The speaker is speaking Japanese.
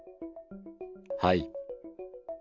はい。